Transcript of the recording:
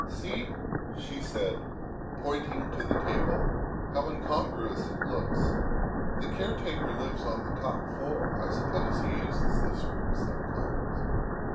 " See," she said, pointing to the table, " how incon gruous it looks. The caretaker lives on the top floor ; I suppose he uses this room sometimes.